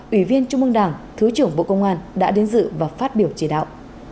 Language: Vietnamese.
ủy viên trung mương đảng thứ trưởng bộ công an đã đến dự và phát biểu chỉ đạo